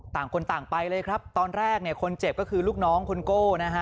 ต่างคนต่างไปเลยครับตอนแรกเนี่ยคนเจ็บก็คือลูกน้องคุณโก้นะฮะ